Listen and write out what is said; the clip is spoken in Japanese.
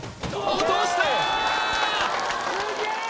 落とした！